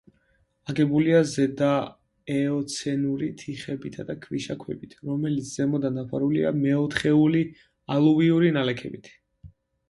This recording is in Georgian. აგებულია ზედაეოცენური თიხებითა და ქვიშაქვებით, რომელიც ზემოდან დაფარულია მეოთხეული ალუვიური ნალექებით.